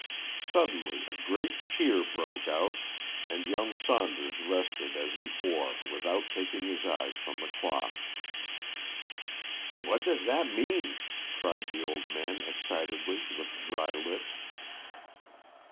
Suddenly a great cheer broke out, and young Saunders rested as before without taking his eyes from the cloth. "What does that mean?" cried the old man excitedly, with dry lips.